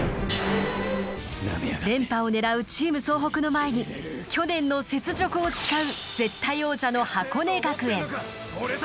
連覇を狙うチーム総北の前に去年の雪辱を誓う絶対王者の箱根学園。